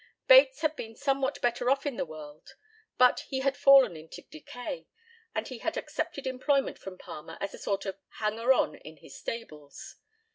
Bates had been somewhat better off in the world, but he had fallen into decay, and he had accepted employment from Palmer as a sort of hanger on in his stables.